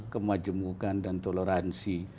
kemajemukan dan toleransi